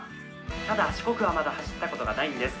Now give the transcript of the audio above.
ただ四国はまだ走ったことがないんです。